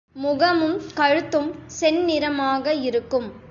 முகமும் கழுத்தும் செந்நிறமாக இருக்கும்.